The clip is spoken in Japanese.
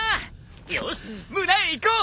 よし村へ行こう。